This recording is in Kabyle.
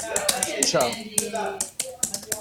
Tecca.